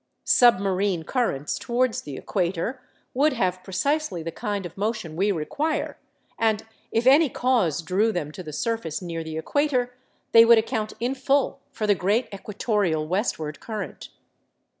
Submarine currents towards the equator would have precisely the kind of motion we require, and if any cause drew them to the surface near the equator, they would account in full for the great equatorial westward current.